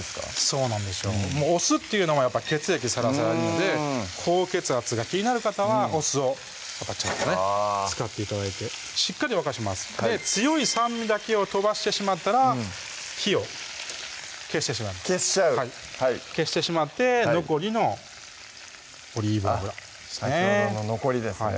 そうなんですよお酢っていうのは血液サラサラにいいので高血圧が気になる方はお酢をちょっとね使って頂いてしっかり沸かします強い酸味だけとばしてしまったら火を消してしまいます消しちゃうはい消してしまって残りのオリーブ油あっ先ほどの残りですね